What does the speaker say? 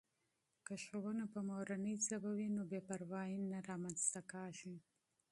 که ښوونه په مورنۍ ژبه وي نو بې پروایي نه رامنځته کېږي.